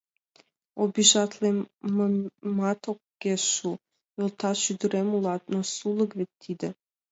Обижатлымемат огеш шу, йолташ ӱдырем улат, но сулык вет тиде.